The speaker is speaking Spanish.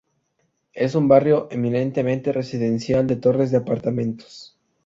Es un barrio eminentemente residencial, de torres de apartamentos.